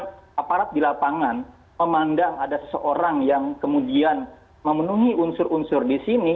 karena aparat di lapangan memandang ada seseorang yang kemudian memenuhi unsur unsur di sini